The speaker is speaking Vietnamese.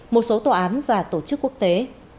một số tòa án và tổ chức quốc tế